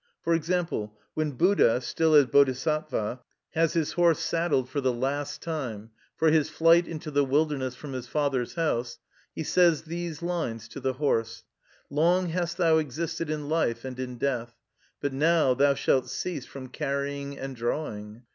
For example, when Buddha, still as Bodisatwa, has his horse saddled for the last time, for his flight into the wilderness from his father's house, he says these lines to the horse: "Long hast thou existed in life and in death, but now thou shalt cease from carrying and drawing.